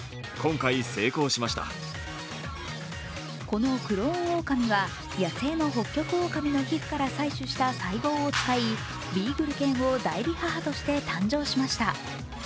このクローンオオカミは野生のホッキョクオオカミの皮膚から採取した細胞を使い、ビーグル犬を代理母として誕生しました。